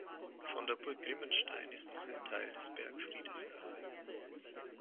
Von der Burg Grimmenstein ist noch ein Teil des Bergfriedes erhalten.